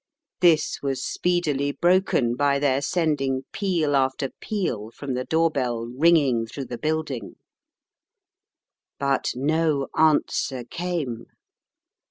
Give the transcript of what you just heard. This was speedily broken by their sending peal after peal from the door bell ring ing through the building. But no answer came.